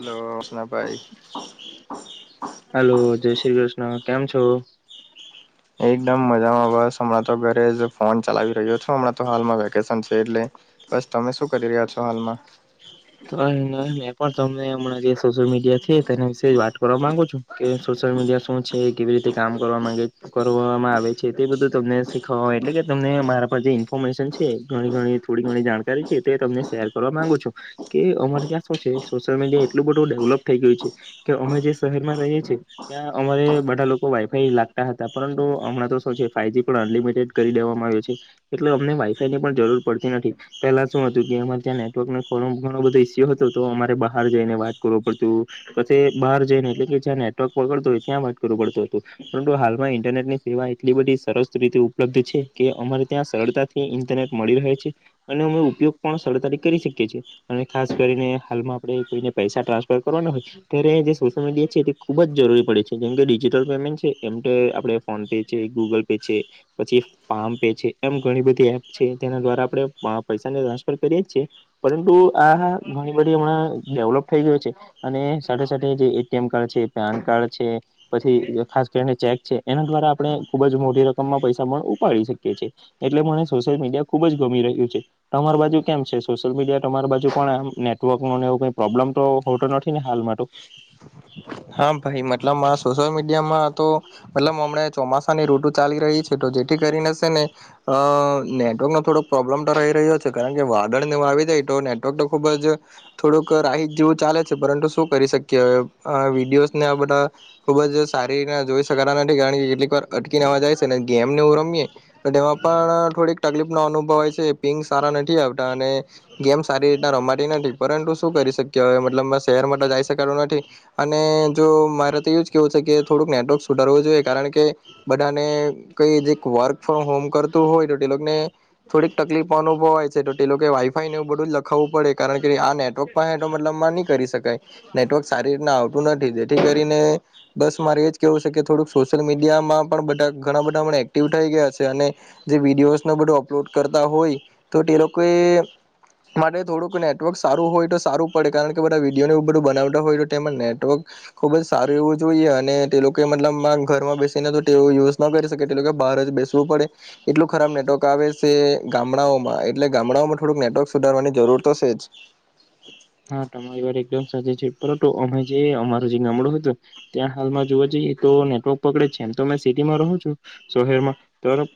Hello Krishnabhai hello જય શ્રી કૃષ્ણ. કેમ છો એકદમ મજામાં બસ હમણાં તો ઘરે જ ફોન ચલાવી રહ્યો છું હમણાં તો હાલમાં વેકેશન છે એટલે બસ તમે શું કરી રહ્યા છો હાલમાં તો મેં પણ તમ ને અમણા જે સોશિયલ મીડિયા છે તેના વિશે વાત કરવા માંગુ છુ કે સોશિયલ મીડિયા શું છે કેવી રીતે કામ કરવામાં માંગે કરવામાં આવે છે તે બધું તમને શીખવાય એટલે કે તમને મારા પર જે ઇન્ફોર્મેશન છે ઘણી ઘણી થોડી ઘણી જાણકારી છે તો તમને શેર કરવા માંગુ છું કે અમારે ત્યાં શું છે સોશિયલ મીડિયા એટલું બધું ડેવલોપ થઈ ગયું છે કે અમે જે શહેરમાં રહીએ છે ત્યાં અમારે બધા લોકો વાઈફાઈ લાગતા હતા પરંતુ હમણાં તો શૌ છે ફાાઈજી પણ અનલિમિટેડ કરી દેવામાં આવ્યું છે એટલે અમને વાઈ ફાઇ પણ જરૂર પડતી નથી પેલા શું હતું કે અમારે ત્યાં નેટવર્કનું ઘણું ઘણો બધો ઈસ્યુ હતો તો અમારે બહાર જઈને વાત કરવો પડતું પછી બહાર જઈને એટલે કે જ્યાં નેટવર્ક પકડતું હોય ત્યાં વાત કરવુ પડતું હતું પરંતુ હાલમાં ઇન્ટરનેટ ની સેવા એટલી બધી સરસ રીતે ઉપલબ્ધ છે કે અમારે ત્યાં સરળતાથી ઇન્ટરનેટ મળી રહે છે અને અમે ઉપયોગ પણ સરળતાથી કરી શકીએ છે. અને ખાસ કરીને હાલમાં આપણે કોઈને પૈસા ટ્રાન્સફર કરવાના હોય ત્યારે જે સોશિયલ મીડિયા છે તે ખુબ જ જરૂ રી પડે છે જેમકે ડિજિટલ પેમેન્ટ છે એમતે આપણે ફોન પે છે ગૂગલ પે છે પછી ફા મ પે છે એમ ધણી બધી એપ છે તેના દ્વારા આપણે પૈસાને ટ્રાન્સફર કરીએ જ છે પરંતુ આ ઘણી બધી હમણાં ડેવલોપ થઈ ગયો છે અને સાથે સાથે જે એટીએમ કાર્ડ છે પેન કાર્ડ છે પછી [unintelligible] ચેક છે એના દ્વારા આપણે ખુબ જ મોટી રકમમાં પૈસા પણ ઉપાડી શકીએ છે એટલે સોશિયલ મીડિયા ખુબ જ ગમી રહ્યું છે તમાર બાજુ કેમ છે સોશિયલ મીડિયા તમાર બાજુ અજુ પણ આમ નેટવર્ક નું ને એવું કઈ પ્રોબ્લેમ તો હોતો નથી ને હાલમાં તો હા ભાઈ મતલબમાં સોશયલ મીડિયામાં તો મતલબ હમણા ચોમાસા ની ઋતુ ચાલી રહી છે તો જેથી કરીને સે ને અ નેટવર્ક નો થોડોક પ્રોબ્લેમ તો રહી રહ્યો છે. કારણ કે વાદળને એવું આવી જાય તો નેટવર્ક તો ખુબ જ થોડુંક રાઇટ જેવું ચાલે છે પરંતુ શું કરી શકી એ અવે અ વિડીયોઝ ને આ બધા ખુબ જ સારી રીના જોઈ શકતા નથી કારણ કે કેટલીક વાર અટકીનેવા જાય સે ને ગેમ નેવું રમીએ તો તેમાં પણ થોડીક તકલીફ નો અનુભવ હોય છે પિંંગ સારા નથી આવતા અને ગેમ સારી રીતના રમાતી નથી પરંતુ શું કરી શક્યે અવે મતલબમાં શહેર માતો જાઈ શકાતું નથી. અને જો મારે તો એવું જ કેવું છે કે થોડુંક નેટવર્ક સુધારવું જોઈએ કારણ કે બધાને કઈ જે વર્ક ફ્રોમ હોમ કરતું હોય તો તે લોકોને થોડીક તકલીફ અનુભવાય છે તો તે વાઈ ફાઈને એવું બધું જ લખાવવું પડ કારણ કે આ નેટવર્ક પાહેતો મતલબમાં ની કરી શકાય નેટવર્ક સારી રીતના આવ તું નથી જેથી કરીને બસ મારે એજ કેવું સે કે થોડુંક સોશિયલ મીડિયામાં પણા ઘણા બધા એક્ટિવ થઈ ગયા છે અને જે વિડીયોઝને બધું અપલોડ કરતા હોય તો તે લોકો એ માટે થોડુંક નેટવર્ક સારું હોય તો સારું પડે કારણ કે બધા વિડીયોને એવું બધું બનાવતા હોય તો તેમાં નેટ વક ખુબ જ સારું એવું જોઈએ અને તે લોકો એ મતલબ ઘરમાં બેસીને તો તેવુ યુઝ ન કરી શકે બાર જ બેસવું પડે એટલુ ખરાબ નેટવર્ક આવે સે ગામડાઓમાં એટલે ગામડાઓમાં થોડુંક નેટવક સુધારવાની જરૂર તો સે જ હમ હા તમારી વાર એકદમ સાચી છે પરંતુ અમે જે અમાર જે ગામડું હતું ત્યાં હાલમાં જોવા જઈએ તો નેટવર્ક પકડે છે એમ તો સિટીમાં રહું છું શહેરમાં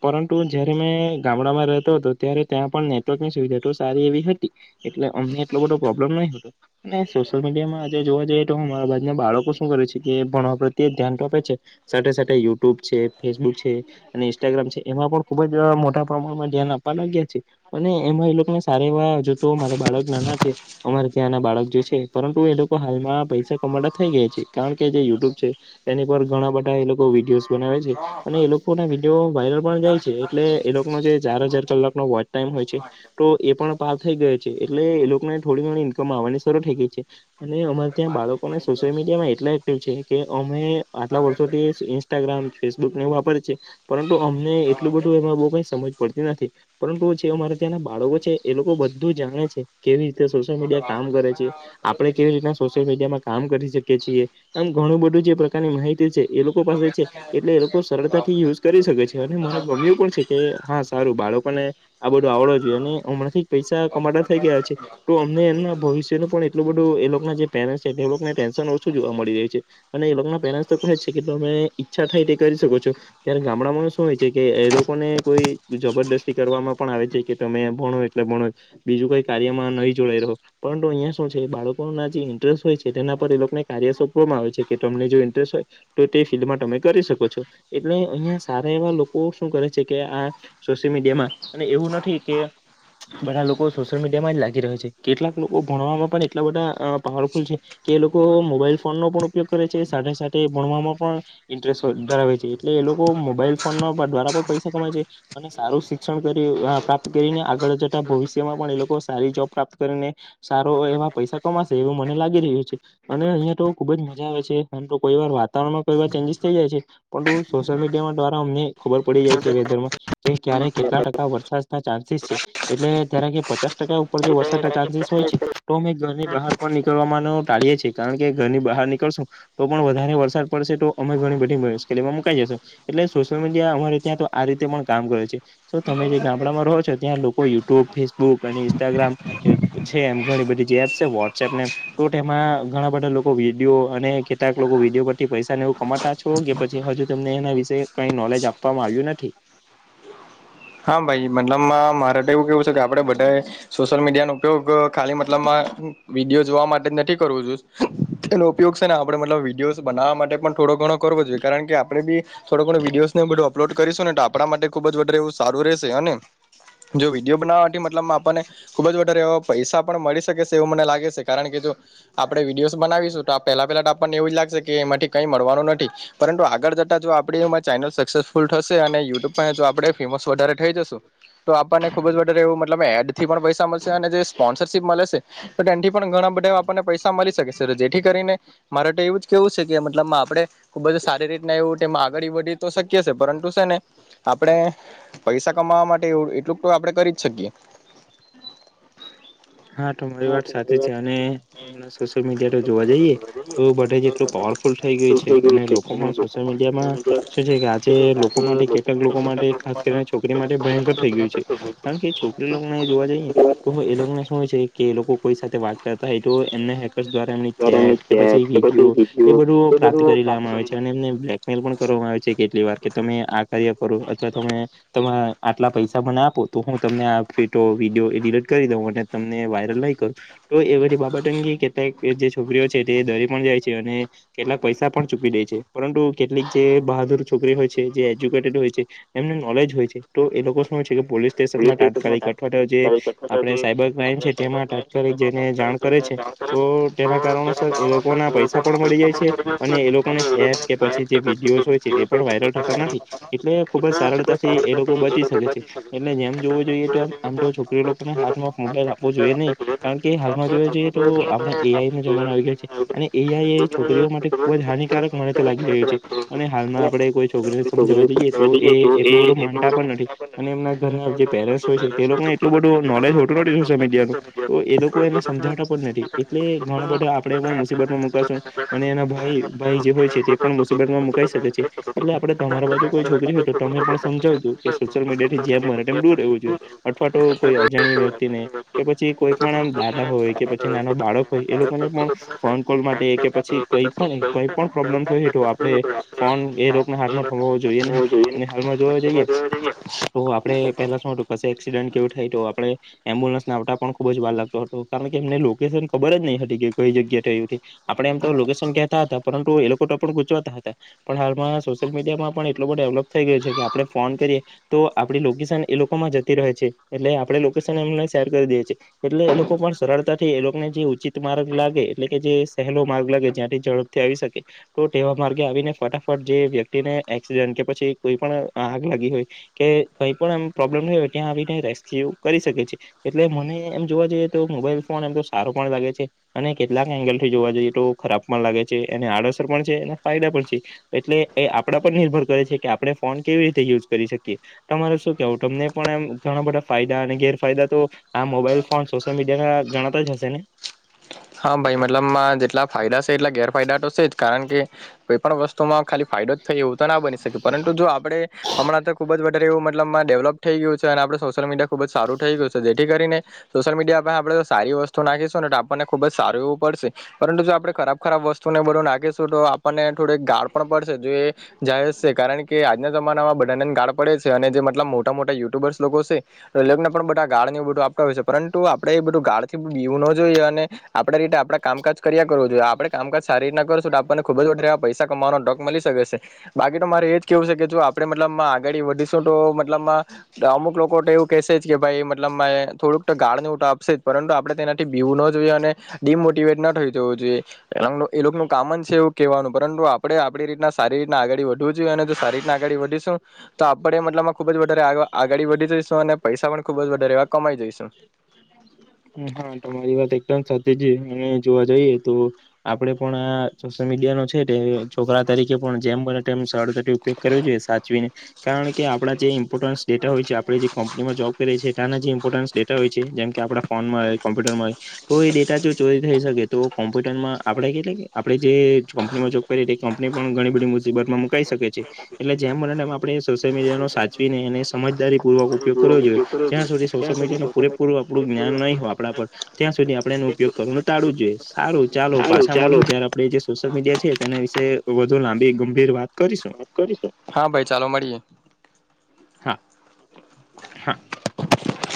પરંતુ જયારે મેં ગામડામાં રહેતો હતો ત્યારે ત્યાં પણ નેટવર્કની સુવિધા એ સારી એવી હતી એટલે અમને એટલો બધો પ્રોબ્લેમ નહીં હતો અને સોશિયલ મીડિયામાં આજે જોવા જઈએ તો હું અ મારા બાજના બાળકો શું કરે છે કે ભણવા પ્રત્યે ધ્યાન તો આપે છે સાથે સાથે યુટ્યુબ છે, ફેસબુક છે અને ઇન્સ્ટાગ્રામ છે એમાં પણ ખૂબ જ મોટા પ્રમાણમાં ધ્યાન આપવા લાગ્યા છે અને એમાં એ લોકોને સારા એવા જો તો અ મારા બાળક નાના છે અમારે ત્યાંના બાળક જે છે પરંતુ એ લોકો હાલમાં પૈસા કમાતા થઈ ગયા છે કારણ કે જે યુટ્યુબ છે તેની પર ઘણા બધા એ લોકો વિડીયોઝ બનાવે છે અને એ લોકોના વિડીયો વાયરલ પણ જાય છે એટલે એ લોકોનો જે ચાર હજાર કલાકનો વોચ ટાઈમ હોય છે તો એ પણ પાર થઈ ગયો છે એટલે એ લોકને થોડી ઘણી ઈન્કમ આવવાની શરૂ થઈ ગઈ છે અને અમારે ત્યાં બાળકોને સોશિયલ મીડિયામાં એટલા એક્ટિવ છે કે અ અમે આટલા વર્ષોથી ઇન્સ્ટાગ્રામ, ફેસબુકને એવું વાપરીએ છીએ પરંતુ અમને એટલું બધું એમાં સમજ પડતી નથી પરંતુ જે મારે ત્યાંના બાળકો છે એ લોકો બધું જાણે છે કેવી સોશિયલ મીડિયા કામ કરે છે આપડે કેવી રીતના સોશિયલ મીડિયામાં કામ કરી શકી છીએ આમ ઘણું બધું જે પ્રકારની માહિતી છે એ લોકો પાસે છે એટલે એ લોકો સરળતા થી યુઝ કરી શકે છે અને મને ગમ્યું પણ છે કે હા સારું બાળકોને આ બધું આવડવા જોઈએ અને હમણાં નથી પૈસા કમાતા થઈ ગયા છે. તો અમને એમના ભવિષ્યનું પણ એટલું બધું એ લોકના જે પેરેન્ટ્સ છે તે લોકને ટેન્શન ઓછું જોવા મળી રહ્યુ છે. ને એ લોકના પેરેન્ટ્સ તો કહે છે કે તમે ઈચ્છા થાય તે કરી શકો છો ત્યારે ગામડામાં શું હોય છે કે એ લોકો ને કોઈ જબરદસ્તી કરવામાં પણ આવે છે કે તમે ભણો એટલે ભણો બીજું કોઈ કાર્યમાં નહીં જોડાઈ રહો પરંતુ અહિયાં શું છે બાળકોના જે ઈન્ટરેસ્ટ હોય છે તેના પર એ લોકોને કાર્ય સોંપવામાં આવે છે કે તમ ને જો ઈન્ટરેસ્ટ હોય તો તે ફિલ્ડમાં તમે કરી શકો છો એટલે અહિયાં સારા એવા લોકો શું કરે છે કે આ સોશિયલ મીડિયામાં અને એવું નથી કે બધા લોકો સોશિયલ મીડિયામાં જ લાગી રહે છે. કેટલાક લોકો ભણવામાં પણ એટલા બધા પાવરફુલ છે કે એ લોકો મોબાઈલ ફોન નો પણ ઉપયોગ કરે છે. સાથે સાથે ભણવામાં પણ ઈન્ટરેસ્ટ ધરાવે છે એટલે એ લોકો મોબાઈલ ફોન દ્વારા પણ પૈસા કમાય છે. અને સારું શિક્ષણ કરી પ્રાપ્ત કરીને આગળ જતા ભવિષ્યમાં પણ એ લોકો સારી જોબ પ્રાપ્ત કરીને સારો એવા પૈસા કમાશે એવું મને લાગી રહ્યું છે અને અહિયાં તો ખૂબ જ મજા આવે છે. પરંતુ કોઈ વાર વાતાવરણમાં કોઈ વાર ચેન્જીસ થઈ જાય છે પણ સોશિયલ મીડિયામાં દ્વારા અમને ખબર પડી જાય છે વેધરમાં કે ક્યારે કેટલા ટકા વરસાદ ના ચાન્સીસ છે એટલે ત્યારે કે પચાસ ટકા પણ જો વરસાદના ચાન્સીસ હોય છે તો અમે ઘરની બહાર પણ નીકળવામા નુ ટાળીએ છે કારણ કે ઘરની બહાર નીકળશું તો પણ વધારે વરસાદ પડશે તો અમે ઘણી બધી મુશ્કેલીમાં મૂ કંઈ જશે એટલે સોશિયલ મીડિયા અમારે ત્યાં તો આ રીતે પણ કામ કરે છે તો તમે જે ગામડામાં રહો છો ત્યાં લોકો યુટ્યુબ, ફેસબુક અને ઈ ન્સટાગ્રામ છે એમ ઘણી બધી જે એપ છે વોટ્સએપને ટુ તેમાં ઘણા બધા લોકો વિડીયો અને કેટલાક લોકો વિડીયો પરથી પૈસા ને એવું કમાતા છો કે પછી હજુ તમને એના વિશે કઈ નોલેજ આપવા આવ્યું નથી? હા ભાઈ મતલબમાં મારે તો એવું કેવું છે કે આપડે બધાએ સોશિયલ મીડિયાનો ઉપયોગ ખાલી મતલબમાં વિડીયો જોવા માટે જ નથી કરવું યુઝ એનો ઉપયોગ છે ને આપડે મતલબ વિડીયોઝ બનાવવા માટે પણ થોડો ઘણો કરવો જોઈએ કારણ કે આપણે બી થોડો ઘણો વિડીયોઝને બધું અપલોડ કરીશુંને તો આપણા માટે ખુબ જ વધારે એવું સારું રહેશે અને જો વિડીયો બનાવાથી મતલબમા આપણને ખુબ જ વધારે એવા પૈસા પણ મળી શકે શે એવું મને લાગે છે કારણ કે જો આપણે વિડીયોસ બનાવીશું તો પેલા પેલા તો આપણને એવું જ લાગશે કે એમાંથી કઈ મળવાનું નથી. પરંતુ આગળ જતા જો આપણી ચેનલ સક્સેસફુલ થશે અને યુટ્યુબ પાહે જો આપડે ફેમસ વધારે થઈ જશું. તો આપણને ખુબ વધારે એવું મતલ એડથી પણ પૈસા મળશે અને જે સ્પોન્સરશીપ મલે શે તો તેનથી પણ ઘણા બધા એવા આપણને પૈસા મળી શકે છે. જેથી કરીને મારે તો એવું જ કેવું છે કે મતલબ આપણે ખુબ જ સારી રીતના એવું તેમા આગળી વધી શ તો શકીએ શે પરંતુ શે ને આપણે પૈસા કમાવા માટે એ એટલુંક તો આપણે કરી જ શકીએ. હા તો મારી વાત સાચી છે, અને હમણાં સોશિયલ મીડિયા તો જોવા જઈએ તો બધે જેટલું એટલું પ [unintelligible] લ થઈ ગઈ છે અને લોકો પણ સોશયલ મીડિયામાં શું છે કે આજે લોકો માટે કેટલાક લોકો માટે ખાસ કરી ને છોકરી માટે ભયકર થઈ ગયું છે કારણ કે છોકરીને જોવા જઈએ તો એ લોકોને શું કે ઈ લોકો કોઈ સાથે વાત કરતા હો તો એમને હેકરસ દવરા્ એમ ની ચેટ કે પછી વિડીયો પ્રાપ્ત કરી લેવામાં આવે છે અને એમને બ્લેકમેલ પણ કરવામાં આવે છે કેટલી વાર કે તમે આ કાર્ય કર અથવા તમે તમે આટલા પૈસા મને આપો તો હું તમને આ ફોટો વિડીયો એડિટ કરી દઉં અને તમને વાયરલ નઈ કરું, તો એ બધી બાબત અંગ કેટલાક જે છોકરીઓ છે તે ધરી પણ જાય છે અને કેટલાક પૈસા પણ ચૂકી દે છે, પરંતુ કે કેટલીક જે બહાદુર છોકરી હોય છે જે એજ્યુકેટેડ હોય છે એમનું નોલેજ હોય છે તો એ લોકો પોલીસ સ્ટેશનમાં તાત્કાલિક અઠવાડ તો જે આપણે સાયબર ક્રાઈમ તેમાં તાત્કાલિક જેને જાણ કરે છે તો તેના કારણોસર એ લોકો ના પૈસા પણ મળી જાય છે, એ લોકોને ચ કે પછી જે વિડીયો હોય છે તે પણ વાયરલ થતા નથી એટલે ખુબ જ સારા થી એ લોકો બચી શકે છે એટલે જેમ જોવું જોઈએ તો આમ તો છોકરી લોકોને હાથમાં મોબાઈલ આપવો જોઈએ નહી કારણ કે હાલમાં જો જઈએ તો આપણે એઆઈ નો જમાનો આવી ગયો છે અને એઆઈ છોકરીઓ માટે ખુબ જ હાનિકારક મને તો લાગી રહ્યું છે અને હાલમાં આપણેે કોઈ છોકરીઓને સમજવા જઈએ તો એ એટલું બધું માનતા પણ નથી એ અને એમના ઘરના જે બધા [unintelligible] મી તો એ લોકો એને સમજાવતા પણ નથી એટલે ઘણ બધા આપડે પણ મુસીબતમાં મુકાશ એના ભાઈ ભાઈ જે હોય છે તે પણ મુસીબતમાં મુકાઈ શકે છે એટલે આપે તમારા બાજુ કોઈ છોકરી હોય તો તમે પણ સમજાવજો કે સોશિયલ મીડિયા જેમ મારે એમ દૂર રહેવું જોઈએ અથવા તોું કોઈ અજાણ્ય વ્યક્તિ ને કે પછી કોઈ પણ આમ દાદા હોય કે પછી નાનો બાળક હોય એ લોકો મને પણ ફોન કોલ માટે કે પછી કઈ પણ કઈ પણ પ્રોબ્લેમ હેઠ આપડે ફોન એ લોકોને હાથમાં થોભવો જોઈએ નહી અને હાલમાં જોવા જઈએ તો આપડે પેલા શું હતું પછ એક્સિડન્ટ કેવું થાય તો આપડે એમ્બ્યુલન્સને આવતા પણ ખુબ જ ભાર લાગતો હતો કારણ કે એમને લોકેશન ખબર જ નહી હતી કે કઈ જગ્યાએ થયું હતી આપણે એમ તો લોકેશન કેતા હતા, પરંતુ એ લોકો તો પણ ગૂંચવાતા હતા પણ હાલમાં સોશિયલ મીડિયામાં પણ એટલો બ થ ગયું છે કે આપણે ફોન કરીએ તો આપ લોકેશન એ લોકોમાં જતી રહે છે એટલે આપડે શેર કરી દે છે એટલે એ લોકો પણ સરળતાથી એ લોકોને જે ઉચિત માર્ગ લાગે એટલે કે જે પ માર્ગ લાગે જ્યાંથી ઝડપથી આવી શકે તો તેવા માર્ગે આવીને ફટાફટ જે વ્યક્તિને એક્સડ પછી કોઈ પણ આગ લાગી હોય કે કઈ પણ એમ પ્રોબ્લેમ ત્યાં આવીને રેસ્ક્યુ કરી શકે છે એટલે મને એમ જોવા જઈએ તો મોબાઈલ ફોન એમ તો સારો પણ લાગે છે અને કેટલાક એંગલ ઈએ તો ખરાબ પણ લાગે છે એને આડઅસર પણ છે ફાયદા પણ છે એટલે એ આપણા પર નિર્ભર આપણે ફોન કેવી રીતે યુઝ કરી શકીએ તમા શું કેવ તમને પણમ ઘણા બધા ફાયદા અને ગેરફાયદા તો આ મોબાઈલ ફોન સોશિયલ મીડિયા ના જણાતા જ હશે ને, હા ભાઈ મતલબમાં જેટલા ફાયદા છે એટલા ગેરફાયદા તો છે જ, કારણ કે કોઈ પણણ વસ્તુમાં ખાલી ફાયદો થઈ એવું તો ના બની શકે પરંતુ જો આપડે હમણાં તો ખુબ જ એવું મતલબ માં ડેવલપ થઈ ગયું છે અને આપણે સોશિયલ મીડિયા ખુબ જ સારું થઈ ગયું છે જેથી કરીને સોશિયલ મીડિયાસે આપણેે સારી વસ્તુ નાખીશું ને તો આપણને ખુબ જ સારું એવું પડશે પરંતુ જો આપણે ખરાબ ખરાબ વસ્તુ શું ને બધું નાખીશું તો આપણને થોડક ગાઢ પણ પડશે જો એ જાય છે કારણ કે આજના જમાનામાં બધાનેને ગાળ પડે જ અને જે મતલબ મોટા મોટા યુટ્યુબર્સ લોકો છે એને પણ બધા ગાળ બધું પરંતુ આપડે એ બધું ગાળ થી પીવું ન જોઈએ અને આપણે રીતે આપણા કામકાજ કર્યા કરવું જોઈએ આપણે કામકાજ સારી રીતના કરશું આપણને ખૂબ જ વધારેવા પૈસા કમાવાનો ડોક મળી શકે છે બાકી તો મારે એ જ કેવું છે કે જો આપણે મતલબમાં આગળ વધીશું, તો મતલબ અમુક લોકો તો એવું કેશે જ કે ભાઈ મતલબ થોડુંક તો ગાળ નેવટો આપશે જ પરંતુ આપણે તેનાથી બીવું ન [unintelligible] જોઈ એનું કામન છે એવું કવાનું પરંતુ આપ આપ રીતના સારી રીતના આગળ વધવું જોઈએ અને જો સારી રીતને આગળ વધીશું તો આપડે મતલબમાં ખુબ જ વધી આગળ વધી જઈશું અને પૈસા પણ ખુબ જ વધારે એવા કમાઈ જઈશું. અમારી વાત એક સાથે જ જોવા જઈએ તો આપડે પણ આ સોશિયલ મીડિયા નો છે છોકરા તરીકે પણ જેમ બને સરળથી ઉપયોગ કરવો જોઈએ સાચવીને કારણ કે આપણા જે ઈમ્પોર્ટન્ટ ડેટા હોય છે આપ જેંપનીમાં જોબ કરીએ છીએના જે ઈમ્પોરન્ટ ડેટા હો છે જેમ કે આપણા ફોનમાં કોમ્પુટર તો એ ડેટા જો ચોરી થઈ શકે તો કોમ્પ્યુટરમાં આપણે કેટલી આપે જે કપનીમાં જોબ કંપની પણ ઘણી બધી મુસીબતમાં મુકઈ શકે છે એટલે જેમ બને ને એમ આપડે સોશિયલ મીડિયાનો સાચવીને એને સમજદારી પૂર્વક ઉપયોગ કરો જોઈએ જ્યાં સુધી સોશલડિયાનું પૂરેપૂરું આપણું જ્ઞાન નહીં હોય આપણા પર ત્યાં સુધી આપણે એને ઉપયોગ કરવા ટાળવું જ જોઈએ સારું ચાલો પાછા મળશું ત્યારે આપણે જે સોશિયલ મીડિયા છે તેના વિશે વધુ લાંબજગ ગંભીર વાત કરીશું કરી હા ભાઈ ચાલો મળીએ. હા હા.